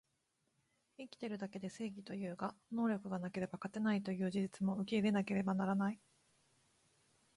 生きてるだけで正義というが、能力がなければ勝てないという事実も受け入れなければならない